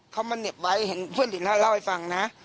เขามาเหน็บไว้เห็นเพื่อนดินเขาเล่าให้ฟังนะ